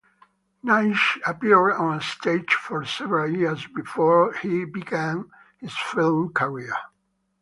Naish appeared on stage for several years before he began his film career.